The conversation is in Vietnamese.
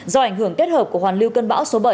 do ảnh hưởng kết hợp của hoàn lưu cơn bão số bảy